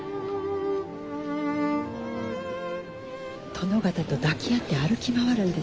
殿方と抱き合って歩き回るんですって。